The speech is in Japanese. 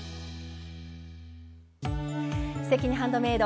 「すてきにハンドメイド」